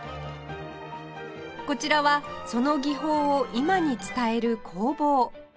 こちらはその技法を今に伝える工房